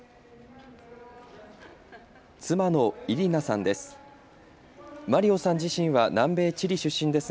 妻のイリナさんです。